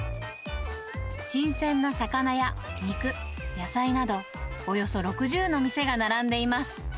新鮮な魚や肉、野菜などおよそ６０の店が並んでいます。